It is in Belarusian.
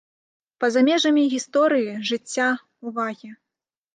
Па-за межамі гісторыі, жыцця, увагі.